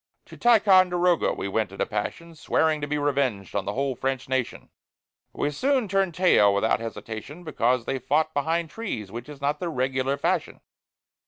To Ticonderoga we went in a passion, Swearing to be revenged on the whole French nation; But we soon turned tail, without hesitation, Because they fought behind trees, which is not the regular fashion.